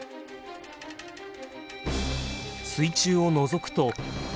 水中をのぞくと。